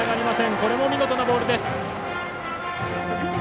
これも見事なボールです。